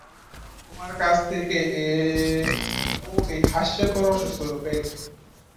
তোমার কাছ থেকেই ও এই হাস্যকর অসুস্থতাটা পেয়েছে।